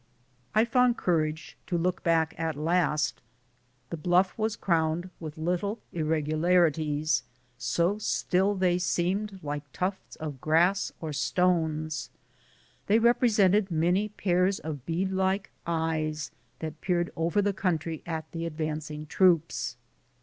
I found courage to look back at last. The bluff was crowned with little irregularities, so still they seemed 78 BOOTS AND SADDLE& like tufts of grass or stones. They represented many pairs of bead like eyes, that peered over the country at the advancing troops.